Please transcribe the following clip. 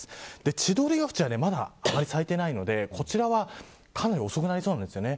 千鳥ケ淵はまだ咲いていないのでこちらは、かなり遅くなりそうなんですよね。